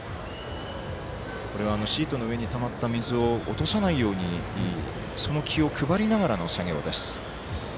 これはシートの上にたまった水を落とさないようにその気を配りながらの作業です。